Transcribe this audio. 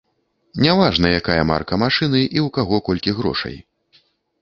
Няважна, якая марка машыны і ў каго колькі грошай.